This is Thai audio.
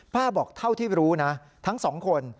พ่อบอกเท่าที่รู้นะทั้ง๒คน